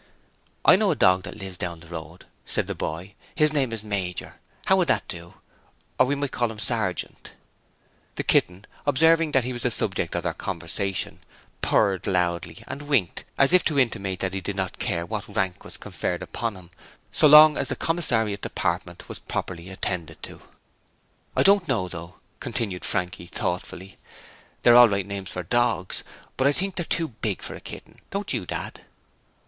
'I know a dog that lives down the road,' said the boy, 'his name is Major. How would that do? Or we might call him Sergeant.' The kitten, observing that he was the subject of their conversation, purred loudly and winked as if to intimate that he did not care what rank was conferred upon him so long as the commisariat department was properly attended to. 'I don't know, though,' continued Frankie, thoughtfully. 'They're all right names for dogs, but I think they're too big for a kitten, don't you, Dad?'